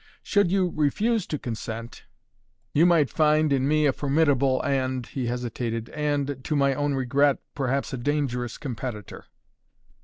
Should you refuse to consent, you might find in me a formidable and" he hesitated "and to my own regret, perhaps a dangerous competitor."